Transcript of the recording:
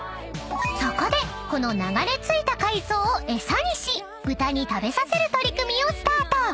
［そこでこの流れ着いた海藻を餌にし豚に食べさせる取り組みをスタート］